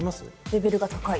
レベルが高い。